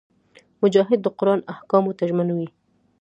مجاهد د قران احکامو ته ژمن وي.